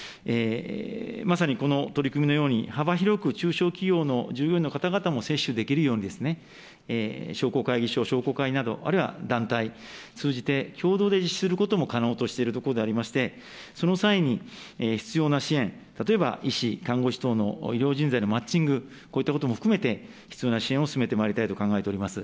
まさにこの取り組みのように、幅広く中小企業の従業員の方々も接種できるように、商工会議所、商工会など、あるいは団体通じて、共同で実施することも可能としているところでありまして、その際に必要な支援、例えば医師、看護師等の医療人材のマッチング、こういったことも含めて必要な支援を進めてまいりたいと考えております。